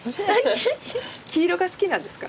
黄色が好きなんですか？